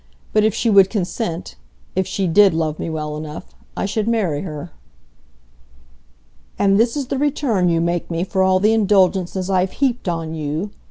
But if she would consent,—if she did love me well enough,—I should marry her." "And this is the return you make me for all the indulgences I've heaped on you?"